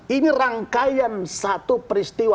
ini rangkaian satu peristiwa